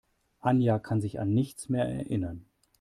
Anja kann sich an nichts mehr erinnern.